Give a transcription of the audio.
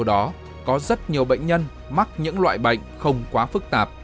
đó có rất nhiều bệnh nhân mắc những loại bệnh không quá phức tạp